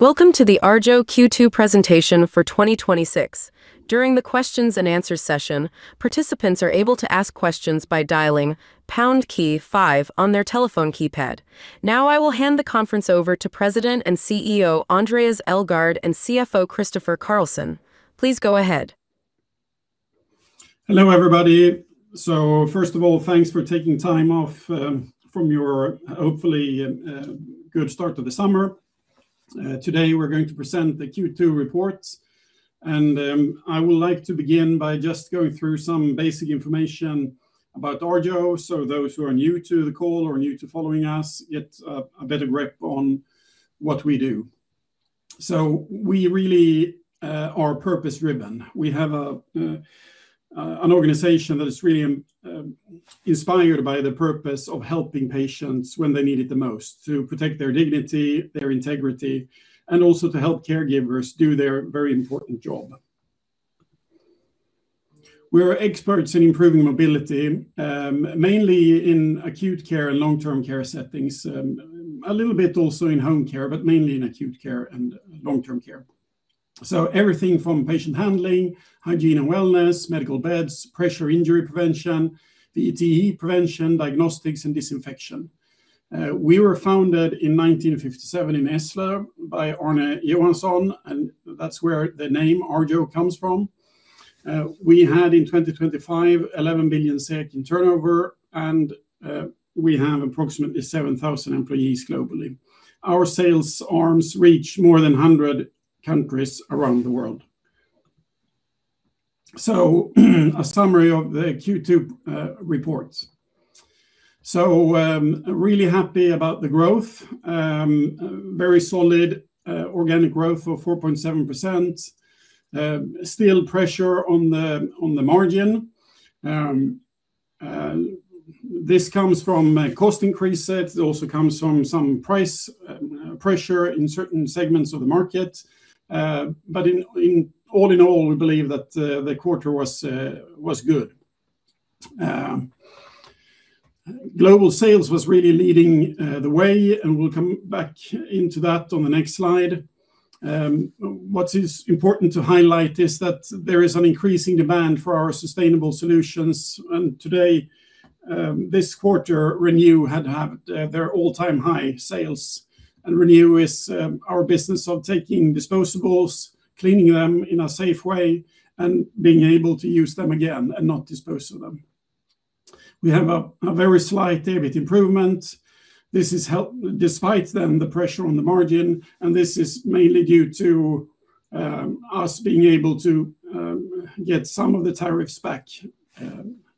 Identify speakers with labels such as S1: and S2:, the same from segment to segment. S1: Welcome to the Arjo Q2 presentation for 2026. During the questions-and-answers session, participants are able to ask questions by dialing pound key five on their telephone keypad. I will hand the conference over to President and CEO, Andréas Elgaard, and CFO, Christofer Carlsson. Please go ahead.
S2: Hello, everybody. First of all, thanks for taking time off from your, hopefully, good start to the summer. Today, we are going to present the Q2 report. I would like to begin by just going through some basic information about Arjo. Those who are new to the call or new to following us get a better grip on what we do. We really are purpose-driven. We have an organization that is really inspired by the purpose of helping patients when they need it the most, to protect their dignity, their integrity, and also to help caregivers do their very important job. We are experts in improving mobility, mainly in acute care and long-term care settings. A little bit also in home care, but mainly in acute care and long-term care. Everything from patient handling, hygiene and wellness, medical beds, pressure injury prevention, VTE prevention, diagnostics, and disinfection. We were founded in 1957 in Eslöv by Arne Johansson, and that's where the name Arjo comes from. We had in 2025, 11 billion SEK in turnover, and we have approximately 7,000 employees globally. Our sales arms reach more than 100 countries around the world. A summary of the Q2 report. Really happy about the growth. Very solid organic growth of 4.7%. Still pressure on the margin. This comes from cost increases. It also comes from some price pressure in certain segments of the market. All in all, we believe that the quarter was good. Global sales was really leading the way, we'll come back into that on the next slide. What is important to highlight is that there is an increasing demand for our sustainable solutions. Today, this quarter, ReNu had their all-time high sales. ReNu is our business of taking disposables, cleaning them in a safe way, and being able to use them again and not dispose of them. We have a very slight EBIT improvement. This is despite the pressure on the margin, this is mainly due to us being able to get some of the tariffs back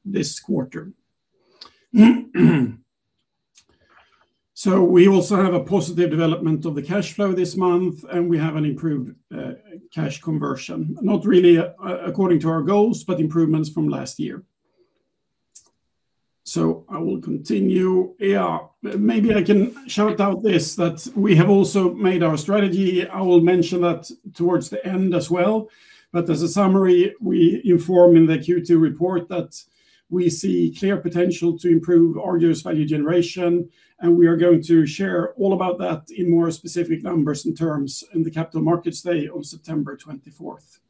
S2: this quarter. We also have a positive development of the cash flow this month, and we have an improved cash conversion. Not really according to our goals, improvements from last year. I will continue. Maybe I can shout out this, that we have also made our strategy. I will mention that towards the end as well. As a summary, we inform in the Q2 report that we see clear potential to improve Arjo's value generation, and we are going to share all about that in more specific numbers and terms in the Capital Markets Day on September 24th.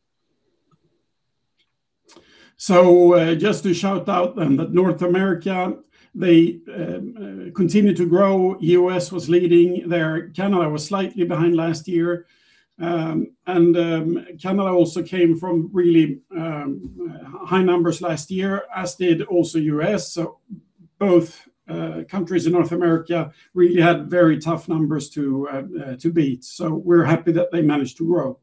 S2: Just to shout out that North America, they continue to grow. U.S. was leading there. Canada was slightly behind last year. Canada also came from really high numbers last year, as did also U.S. Both countries in North America really had very tough numbers to beat. We're happy that they managed to grow.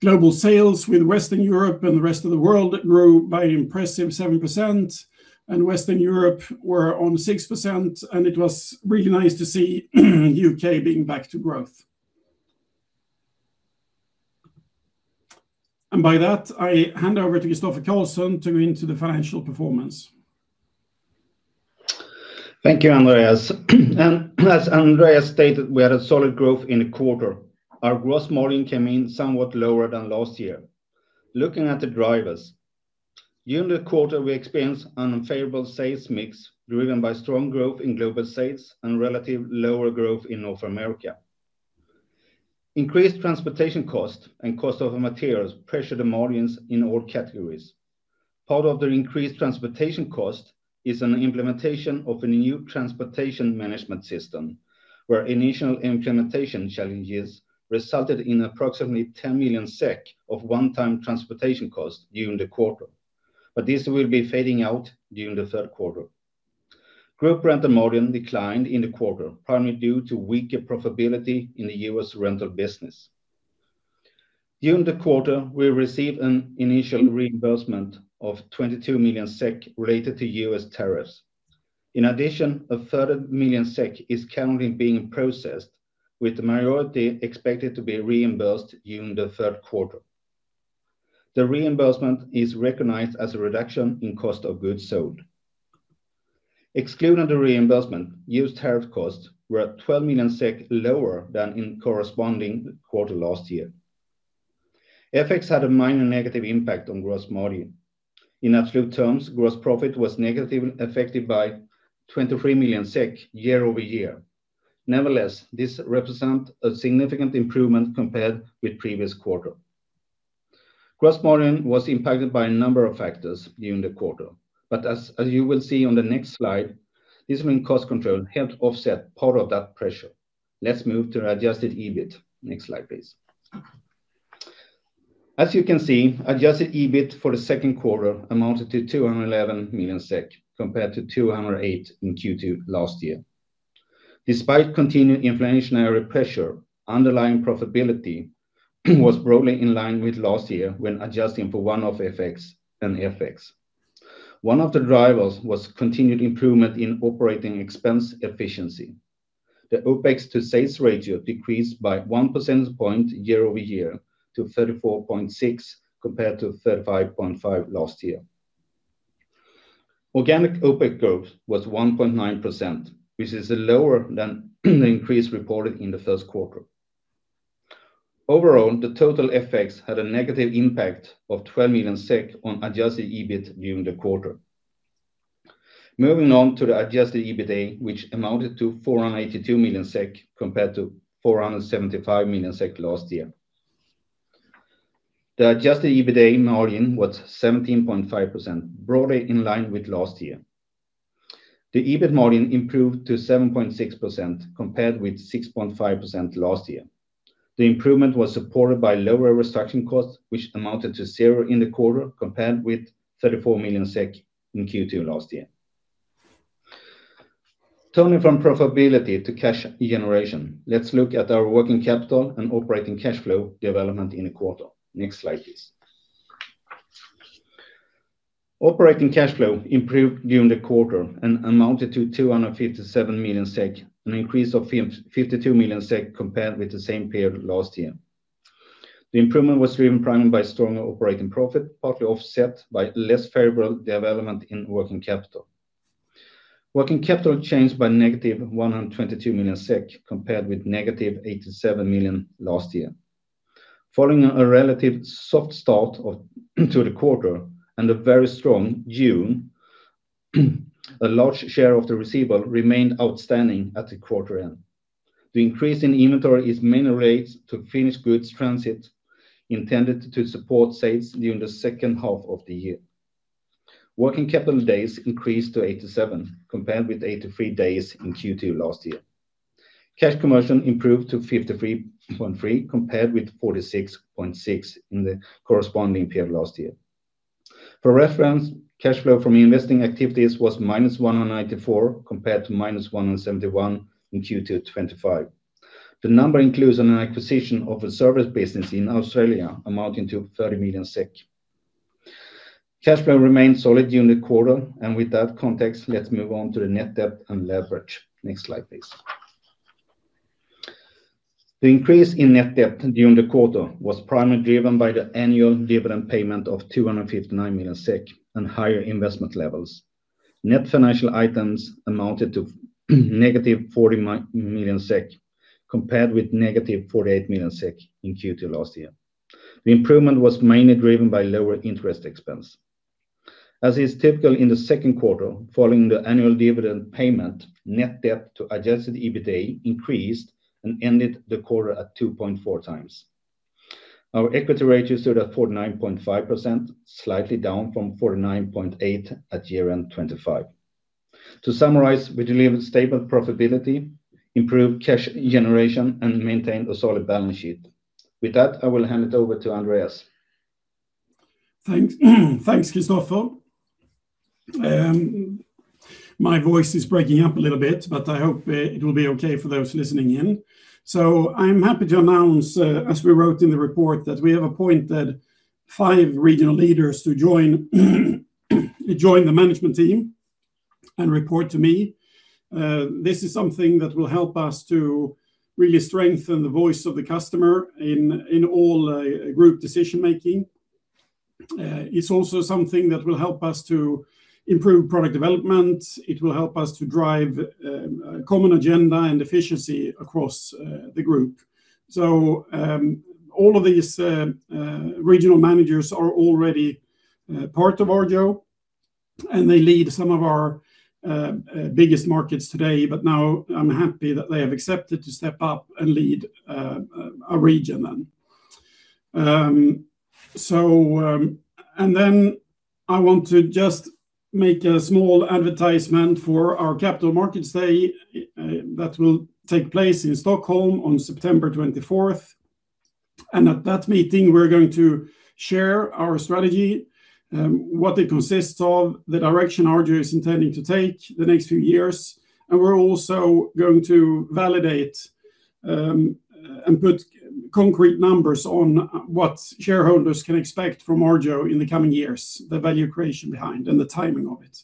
S2: Global sales with Western Europe and the rest of the world grew by an impressive 7%. Western Europe were on 6%, and it was really nice to see U.K. being back to growth. By that, I hand over to Christofer Carlsson to go into the financial performance.
S3: Thank you, Andréas. As Andréas stated, we had a solid growth in the quarter. Our gross margin came in somewhat lower than last year. Looking at the drivers. During the quarter, we experienced unfavorable sales mix driven by strong growth in global sales and relative lower growth in North America. Increased transportation cost and cost of materials pressured the margins in all categories. Part of the increased transportation cost is an implementation of a new transportation management system, where initial implementation challenges resulted in approximately 10 million SEK of one-time transportation cost during the quarter. This will be fading out during the third quarter. Group rental margin declined in the quarter, primarily due to weaker profitability in the U.S. rental business. During the quarter, we received an initial reimbursement of 22 million SEK related to U.S. tariffs. In addition, a further 1 million SEK is currently being processed, with the majority expected to be reimbursed during the third quarter. The reimbursement is recognized as a reduction in cost of goods sold. Excluding the reimbursement, U.S. tariff costs were at 12 million SEK lower than in corresponding quarter last year. FX had a minor negative impact on gross margin. In absolute terms, gross profit was negatively affected by 23 million SEK year-over-year. Nevertheless, this represents a significant improvement compared with the previous quarter. Gross margin was impacted by a number of factors during the quarter, as you will see on the next slide, disciplined cost control helped offset part of that pressure. Let's move to adjusted EBIT. Next slide, please. As you can see, adjusted EBIT for the second quarter amounted to 211 million SEK, compared to 208 million in Q2 last year. Despite continued inflationary pressure, underlying profitability was broadly in line with last year when adjusting for one-off effects and FX. One of the drivers was continued improvement in operating expense efficiency. The OpEx to sales ratio decreased by 1% year-over-year to 34.6%, compared to 35.5% last year. Organic OpEx growth was 1.9%, which is lower than the increase reported in the first quarter. The total effects had a negative impact of 12 million SEK on adjusted EBIT during the quarter. Moving on to the adjusted EBITDA, which amounted to 482 million SEK, compared to 475 million SEK last year. The adjusted EBITDA margin was 17.5%, broadly in line with last year. The EBIT margin improved to 7.6%, compared with 6.5% last year. The improvement was supported by lower restructuring costs, which amounted to zero in the quarter, compared with 34 million SEK in Q2 last year. Turning from profitability to cash generation, let's look at our working capital and operating cash flow development in the quarter. Next slide please. Operating cash flow improved during the quarter and amounted to 257 million SEK, an increase of 52 million SEK compared with the same period last year. The improvement was driven primarily by stronger operating profit, partly offset by less favorable development in working capital. Working capital changed by -122 million SEK, compared with -87 million last year. Following a relative soft start to the quarter and a very strong June, a large share of the receivable remained outstanding at the quarter end. The increase in inventory is mainly related to finished goods transit intended to support sales during the second half of the year. Working capital days increased to 87, compared with 83 days in Q2 last year. Cash conversion improved to 53.3%, compared with 46.6% in the corresponding period last year. For reference, cash flow from investing activities was -194 million, compared to -171 million in Q2 2025. The number includes an acquisition of a service business in Australia amounting to 30 million SEK. Cash flow remained solid during the quarter. With that context, let's move on to the net debt and leverage. Next slide please. The increase in net debt during the quarter was primarily driven by the annual dividend payment of 259 million SEK and higher investment levels. Net financial items amounted to -40 million SEK, compared with -48 million SEK in Q2 last year. The improvement was mainly driven by lower interest expense. As is typical in the second quarter, following the annual dividend payment, net debt to adjusted EBITDA increased and ended the quarter at 2.4x. Our equity ratio stood at 49.5%, slightly down from 49.8% at year-end 2025. To summarize, we delivered stable profitability, improved cash generation, and maintained a solid balance sheet. With that, I will hand it over to Andréas.
S2: Thanks, Christofer. My voice is breaking up a little bit, but I hope it will be okay for those listening in. I'm happy to announce, as we wrote in the report, that we have appointed five regional leaders to join the management team and report to me. This is something that will help us to really strengthen the voice of the customer in all group decision-making. It's also something that will help us to improve product development. It will help us to drive a common agenda and efficiency across the group. All of these regional managers are already part of Arjo, and they lead some of our biggest markets today, but now I'm happy that they have accepted to step up and lead a region then. I want to just make a small advertisement for our Capital Markets Day that will take place in Stockholm on September 24th. At that meeting, we're going to share our strategy, what it consists of, the direction Arjo is intending to take the next few years. We're also going to validate and put concrete numbers on what shareholders can expect from Arjo in the coming years, the value creation behind and the timing of it.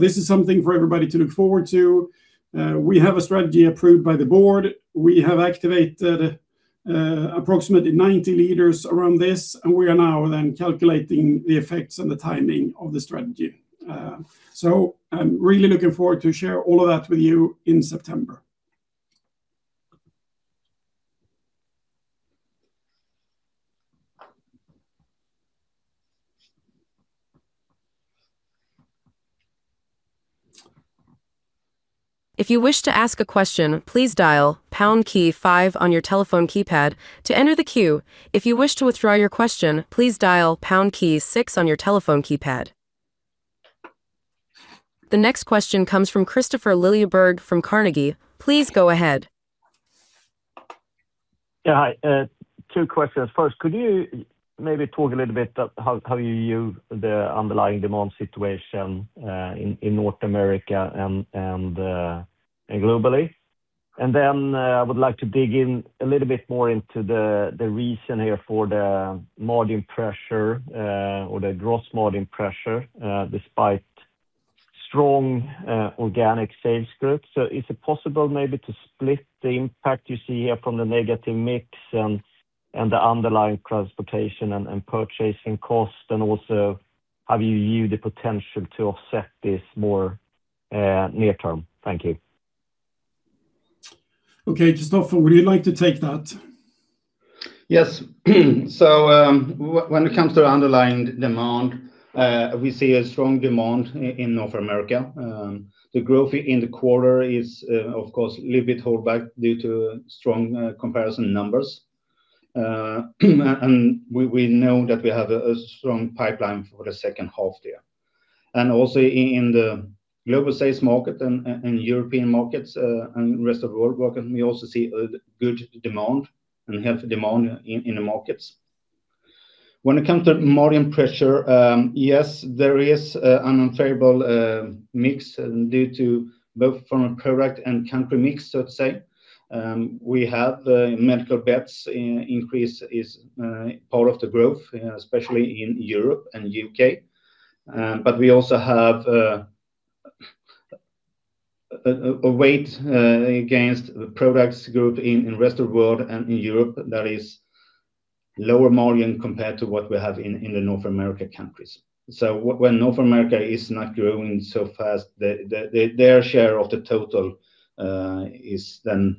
S2: This is something for everybody to look forward to. We have a strategy approved by the Board. We have activated approximately 90 leaders around this. We are now then calculating the effects and the timing of the strategy. I'm really looking forward to share all of that with you in September.
S1: If you wish to ask a question, please dial pound key five on your telephone keypad to enter the queue. If you wish to withdraw your question, please dial pound key six on your telephone keypad. The next question comes from Kristofer Liljeberg from Carnegie. Please go ahead.
S4: Yeah. Hi. Two questions. First, could you maybe talk a little bit about how you view the underlying demand situation in North America and globally? I would like to dig in a little bit more into the reason here for the margin pressure, or the gross margin pressure, despite strong organic sales growth. Is it possible maybe to split the impact you see here from the negative mix and the underlying transportation and purchasing cost? Also, how do you view the potential to offset this more near term? Thank you.
S2: Okay. Christofer, would you like to take that?
S3: Yes. When it comes to underlying demand, we see a strong demand in North America. The growth in the quarter is, of course, a little bit held back due to strong comparison numbers. We know that we have a strong pipeline for the second half there. Also in the global sales market and European markets and rest of the world market, we also see a good demand and healthy demand in the markets. When it comes to margin pressure, yes, there is an unfavorable mix due to both from a product and country mix, so to say. We have the medical beds increase is part of the growth, especially in Europe and U.K. We also have a weight against the products group in rest of the world and in Europe that is lower margin compared to what we have in the North America countries. When North America is not growing so fast, their share of the total is then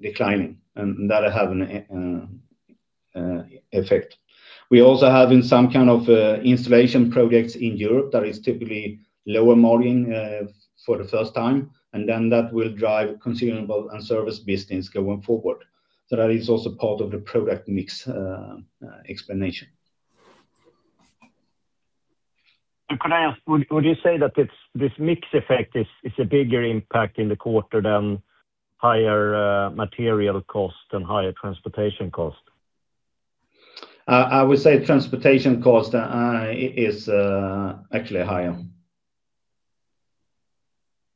S3: declining, and that have an effect. We also have some kind of installation projects in Europe that is typically lower margin for the first time, then that will drive consumable and service business going forward. That is also part of the product mix explanation.
S4: Could I ask, would you say that this mix effect is a bigger impact in the quarter than higher material cost and higher transportation cost?
S3: I would say transportation cost is actually higher.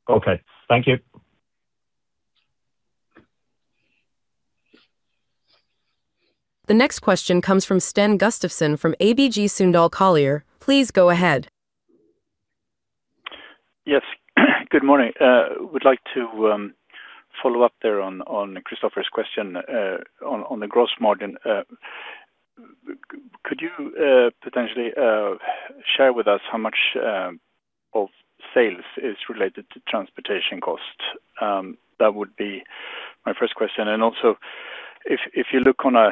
S4: Okay. Thank you.
S1: The next question comes from Sten Gustafsson from ABG Sundal Collier. Please go ahead.
S5: Yes. Good morning. Would like to follow up there on Kristofer's question on the gross margin. Could you potentially share with us how much of sales is related to transportation cost? That would be my first question. Also, if you look on a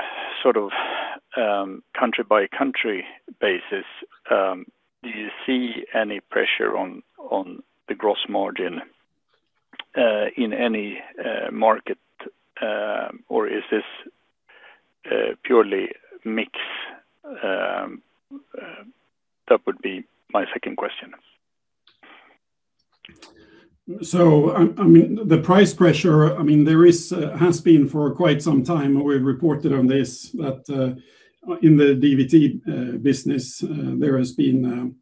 S5: country-by-country basis, do you see any pressure on the gross margin in any market? Is this purely mix? That would be my second question.
S2: The price pressure, there has been for quite some time, we've reported on this, that in the DVT business, there has been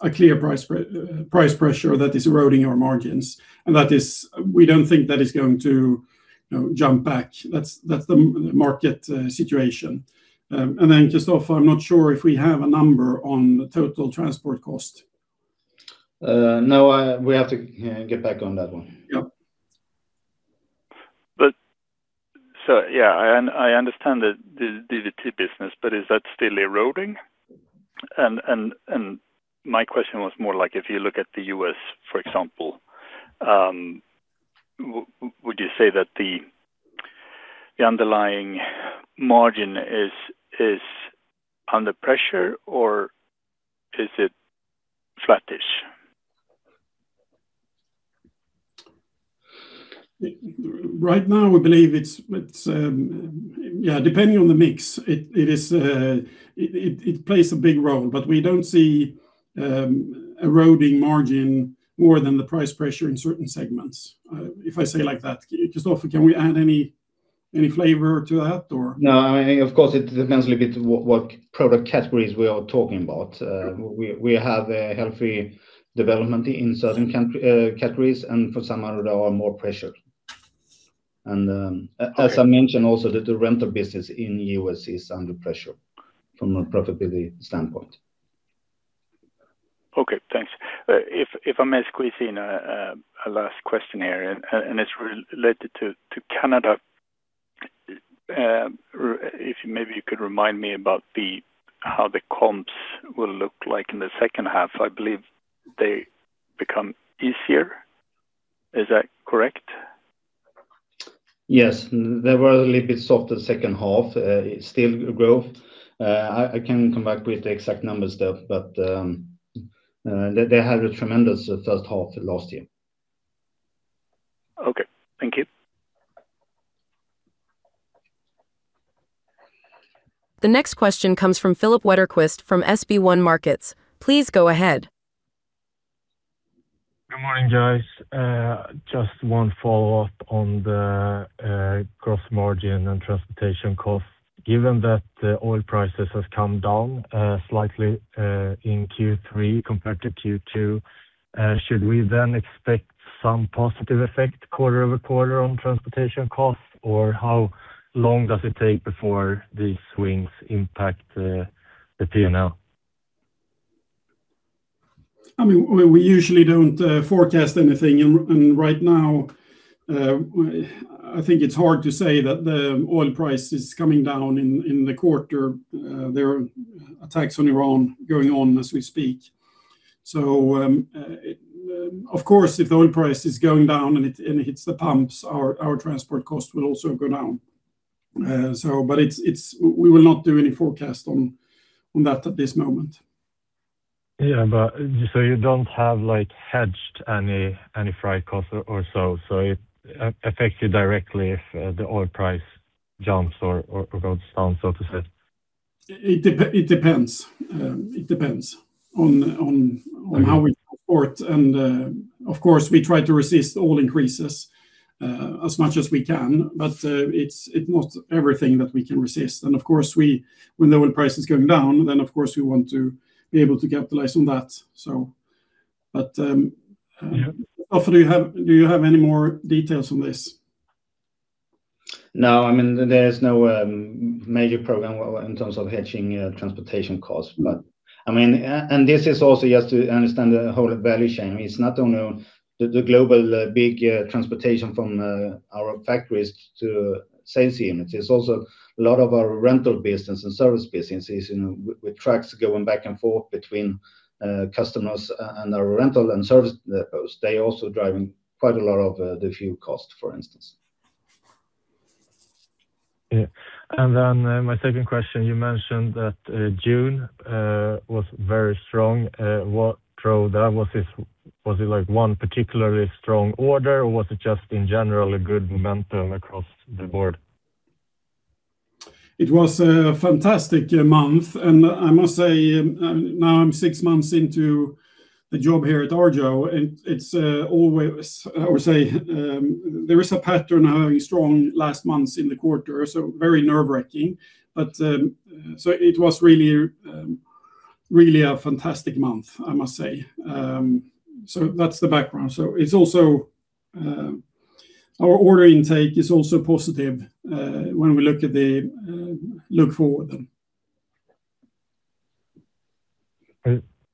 S2: a clear price pressure that is eroding our margins. We don't think that is going to jump back. That's the market situation. Then, Christofer, I'm not sure if we have a number on the total transport cost.
S3: No, we have to get back on that one.
S2: Yep.
S5: Yeah, I understand the DVT business, but is that still eroding? My question was more like, if you look at the U.S., for example, would you say that the underlying margin is under pressure, or is it flattish?
S2: Right now, we believe it's, yeah, depending on the mix, it plays a big role, but we don't see eroding margin more than the price pressure in certain segments. If I say it like that, Christofer, can we add any flavor to that, or?
S3: No, of course, it depends a little bit what product categories we are talking about. We have a healthy development in certain categories, and for some other, there are more pressure. As I mentioned also, that the rental business in the U.S. is under pressure from a profitability standpoint.
S5: Okay, thanks. If I may squeeze in a last question here, it's related to Canada. If maybe you could remind me about how the comps will look like in the second half. I believe they become easier. Is that correct?
S3: Yes. They were a little bit soft the second half. Still growth. I can come back with the exact numbers there. They had a tremendous first half last year.
S5: Okay, thank you.
S1: The next question comes from Filip Wetterqvist from SB1 Markets. Please go ahead.
S6: Good morning, guys. Just one follow-up on the gross margin and transportation cost. Given that the oil prices have come down slightly, in Q3 compared to Q2, should we then expect some positive effect quarter-over-quarter on transportation cost? Or how long does it take before these swings impact the P&L?
S2: We usually don't forecast anything, and right now, I think it's hard to say that the oil price is coming down in the quarter. There are attacks on Iran going on as we speak. Of course, if the oil price is going down and it hits the pumps, our transport cost will also go down. We will not do any forecast on that at this moment.
S6: Yeah. You don't have hedged any freight cost or so. It affects you directly if the oil price jumps or goes down, so to say.
S2: It depends. It depends on how we go forward and, of course, we try to resist all increases, as much as we can. It's not everything that we can resist, and of course, when the oil price is going down, then of course, we want to be able to capitalize on that. Christofer, do you have any more details on this?
S3: No. There's no major program in terms of hedging transportation costs. This is also just to understand the whole value chain. It's not only the global, big transportation from our factories to sales units. It's also a lot of our rental business and service businesses with trucks going back and forth between customers and our rental and service depots. They also driving quite a lot of the fuel cost, for instance.
S6: Yeah. My second question, you mentioned that June was very strong. What drove that? Was it one particularly strong order, or was it just in general a good momentum across the board?
S2: It was a fantastic month, and I must say, now I'm six months into the job here at Arjo, and it's always there is a pattern of having strong last months in the quarter, so very nerve-wracking. It was really a fantastic month, I must say. That's the background. Our order intake is also positive, when we look forward.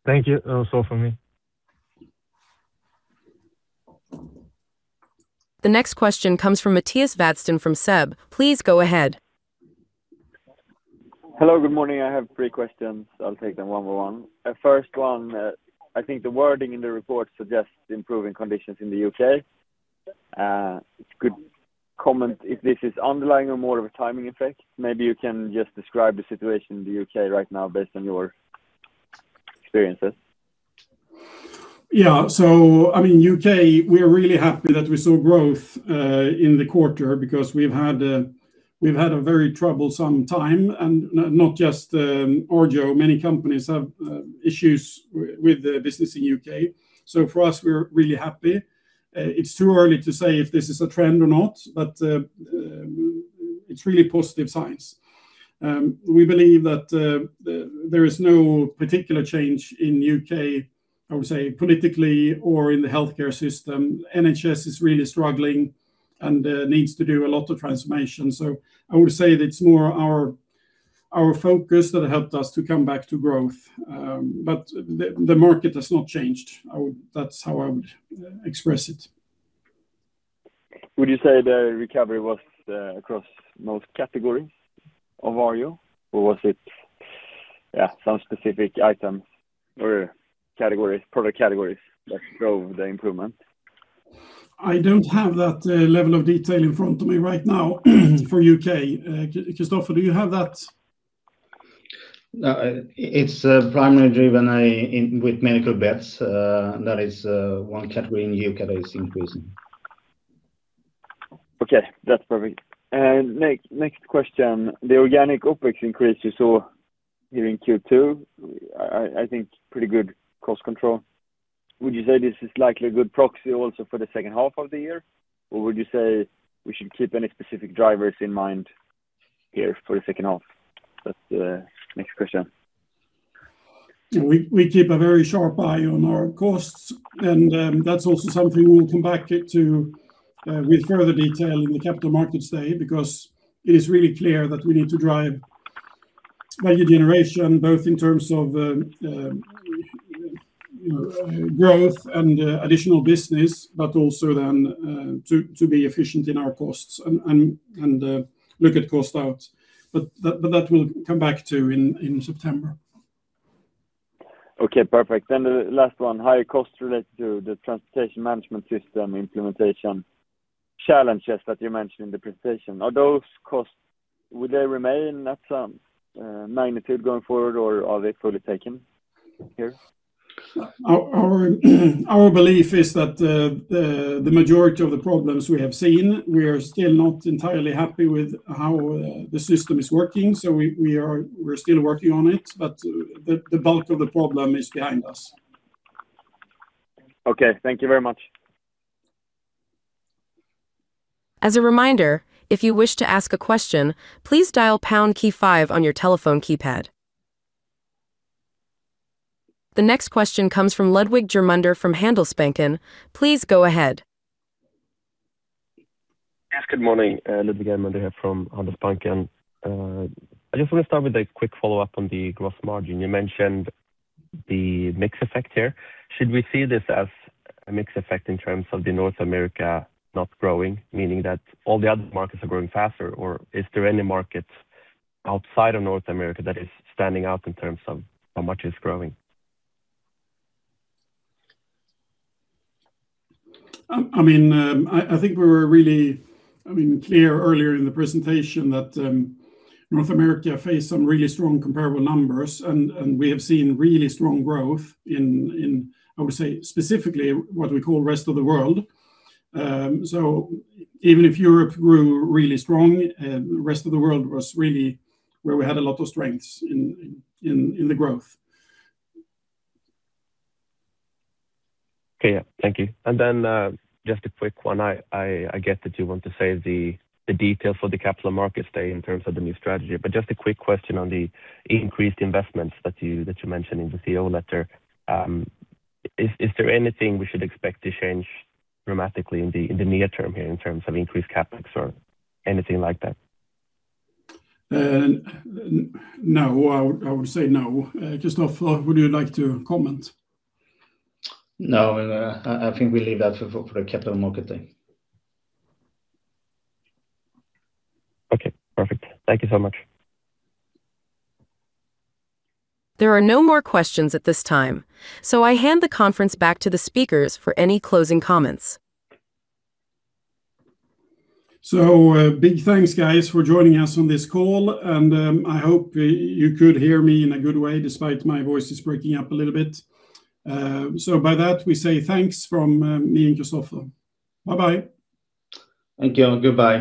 S6: Thank you. That was all for me.
S1: The next question comes from Mattias Vadsten from SEB. Please go ahead.
S7: Hello, good morning. I have three questions. I will take them one by one. First one, I think the wording in the report suggests improving conditions in the U.K. It's good comment if this is underlying or more of a timing effect. Maybe you can just describe the situation in the U.K. right now based on your experiences.
S2: Yeah. U.K., we are really happy that we saw growth in the quarter because we've had a very troublesome time and not just, Arjo. Many companies have issues with the business in U.K. For us, we're really happy. It's too early to say if this is a trend or not, but it's really positive signs. We believe that there is no particular change in U.K., I would say, politically or in the healthcare system. NHS is really struggling and needs to do a lot of transformation. I would say that it's more our focus that helped us to come back to growth. The market has not changed. That's how I would express it.
S7: Would you say the recovery was across most categories of Arjo, or was it some specific items or product categories that show the improvement?
S2: I don't have that level of detail in front of me right now for U.K. Christofer, do you have that?
S3: It's primarily driven with medical beds. That is one category in U.K. that is increasing.
S7: Okay, that's perfect. Next question. The organic OpEx increase you saw here in Q2, I think pretty good cost control. Would you say this is likely a good proxy also for the second half of the year? Or would you say we should keep any specific drivers in mind here for the second half? That's the next question.
S2: We keep a very sharp eye on our costs and that's also something we will come back to, with further detail in the Capital Markets Day, because it is really clear that we need to drive value generation, both in terms of growth and additional business, but also then to be efficient in our costs and look at cost out. That we'll come back to in September.
S7: Okay, perfect. The last one, higher cost related to the transportation management system implementation challenges that you mentioned in the presentation. Are those costs, would they remain at some magnitude going forward or are they fully taken care of?
S2: Our belief is that the majority of the problems we have seen, we are still not entirely happy with how the system is working. We're still working on it, but the bulk of the problem is behind us.
S7: Okay. Thank you very much.
S1: As a reminder, if you wish to ask a question, please dial pound key five on your telephone keypad. The next question comes from Ludwig Germunder from Handelsbanken. Please go ahead.
S8: Yes, good morning. Ludwig Germunder here from Handelsbanken. I just want to start with a quick follow-up on the gross margin. You mentioned the mix effect here. Should we see this as a mix effect in terms of the North America not growing, meaning that all the other markets are growing faster? Or is there any market outside of North America that is standing out in terms of how much it's growing?
S2: I think we were really clear earlier in the presentation that North America faced some really strong comparable numbers and we have seen really strong growth in, I would say, specifically what we call rest of the world. Even if Europe grew really strong, rest of the world was really where we had a lot of strengths in the growth.
S8: Okay. Yeah. Thank you. Just a quick one. I get that you want to save the details for the Capital Markets Day in terms of the new strategy, just a quick question on the increased investments that you mentioned in the CEO letter. Is there anything we should expect to change dramatically in the near term here in terms of increased CapEx or anything like that?
S2: No. I would say no. Christofer, would you like to comment?
S3: No, I think we leave that for the Capital Markets Day.
S8: Perfect. Thank you so much.
S1: There are no more questions at this time. I hand the conference back to the speakers for any closing comments.
S2: Big thanks, guys, for joining us on this call, and I hope you could hear me in a good way despite my voice is breaking up a little bit. By that, we say thanks from me and Christofer. Bye-bye.
S3: Thank you. Goodbye